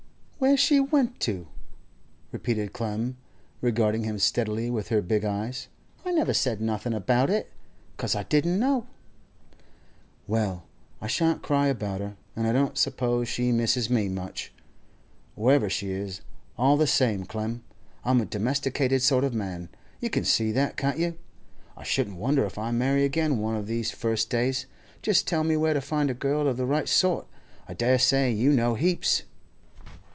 'Where she went to?' repeated Clem, regarding him steadily with her big eyes, 'I never said nothing about it, 'cause I didn't know.' 'Well, I shan't cry about her, and I don't suppose she misses me much, wherever she is. All the same, Clem, I'm a domesticated sort of man; you can see that, can't you? I shouldn't wonder if I marry again one of these first days. Just tell me where to find a girl of the right sort. I dare say you know heaps.